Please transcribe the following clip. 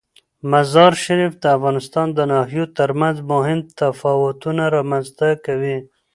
مزارشریف د افغانستان د ناحیو ترمنځ مهم تفاوتونه رامنځ ته کوي.